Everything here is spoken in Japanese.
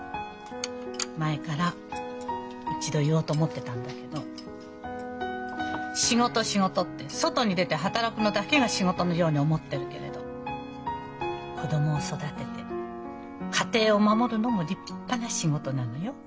前から一度言おうと思ってたんだけど「仕事仕事」って外に出て働くのだけが仕事のように思ってるけれど子供を育てて家庭を守るのも立派な仕事なのよ。